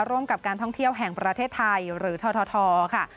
ร่วมกับการท่องเที่ยวแห่งประเทศไทยหรือททค่ะ